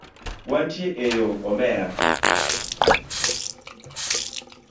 Wantie eyo omera.